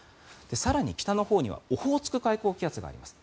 更に北のほうにはオホーツク海高気圧があります。